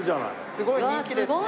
すごい人気ですね。